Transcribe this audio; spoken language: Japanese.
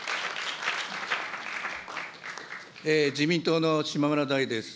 自民党の島村大です。